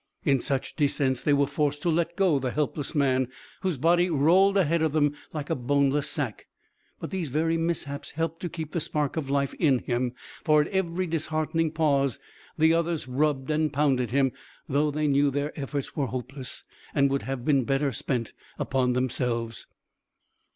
In such descents they were forced to let go the helpless man, whose body rolled ahead of them like a boneless sack; but these very mishaps helped to keep the spark of life in him, for at every disheartening pause the others rubbed and pounded him, though they knew that their efforts were hopeless, and would have been better spent upon themselves.